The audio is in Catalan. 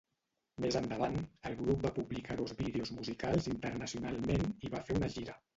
Més endavant, el grup va publicar dos vídeos musicals internacionalment i va fer una gira.